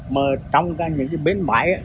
mà trong các những biên tập